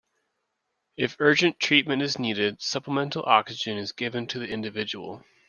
If urgent treatment is needed, supplemental oxygen is given to the individual.